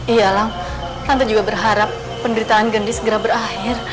iya lang tante juga berharap penderitaan gendi segera berakhir